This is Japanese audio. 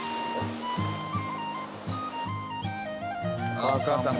あっお母さんも。